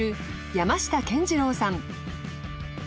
山下健二郎さん